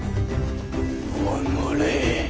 おのれ！